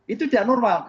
itu tidak normal